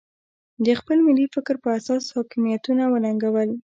د خپل ملي فکر په اساس حاکمیتونه وننګول.